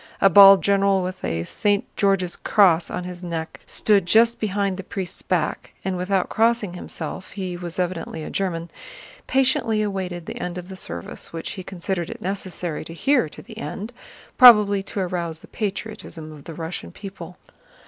A bald general with a St. George's Cross on his neck stood just behind the priest's back, and without crossing himself (he was evidently a German) patiently awaited the end of the service, which he considered it necessary to hear to the end, probably to arouse the patriotism of the Russian people.